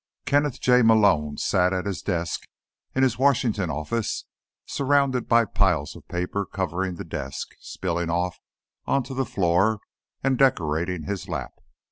Kenneth J. Malone sat at his desk, in his Washington office, surrounded by piles of papers covering the desk, spilling off onto the floor and decorating his lap.